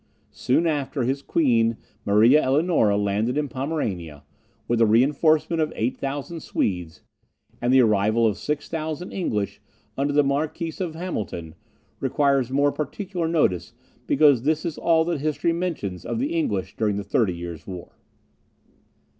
Soon after, his queen, Maria Eleonora, landed in Pomerania, with a reinforcement of 8000 Swedes; and the arrival of 6000 English, under the Marquis of Hamilton, requires more particular notice because this is all that history mentions of the English during the Thirty Years' War.